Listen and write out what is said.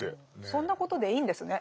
そんなことでいいんですね